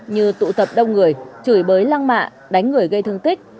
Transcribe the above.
như tụ tập đông người chửi bới lăng mạ đánh người gây thương tích